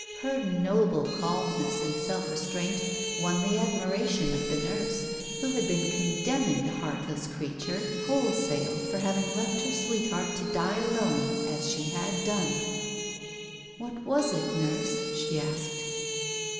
Her noble calmness and self restraint won the admiration of the nurse, who had been con demning the heartless creature wholesale for having left her sweetheart to die alone as she had done. "What was it, Nurse?" she asked.